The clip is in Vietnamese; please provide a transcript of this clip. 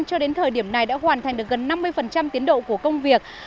cho đến thời điểm này đã hoàn thành được gần năm mươi tiến độ của công việc